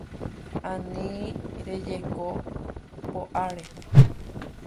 Ani rejeko po'áre